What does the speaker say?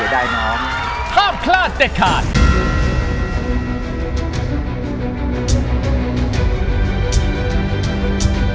อะไรก็เกือบขึ้นได้ครับ